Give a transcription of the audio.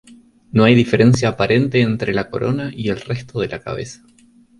No hay diferencia aparente entre la corona y el resto de la cabeza.